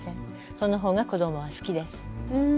そのほうが子どもは好きです。